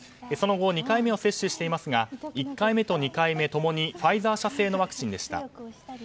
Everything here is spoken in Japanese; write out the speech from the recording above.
その後２回目を接種していますが１回目、２回目共にファイザー社製のワクチンでした。